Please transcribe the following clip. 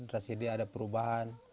rasidi ada perubahan